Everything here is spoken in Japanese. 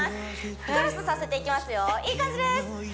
クロスさせていきますよいい感じです